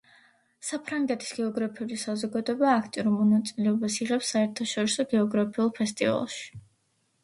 საფრანგეთის გეოგრაფიული საზოგადოება აქტიურ მონაწილეობას იღებს საერთაშორისო გეოგრაფიულ ფესტივალში.